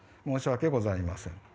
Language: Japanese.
申し訳ございません。